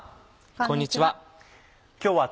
こんにちは。